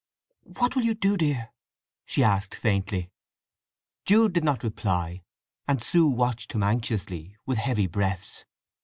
"What will you do, dear?" she asked faintly. Jude did not reply, and Sue watched him anxiously, with heavy breaths.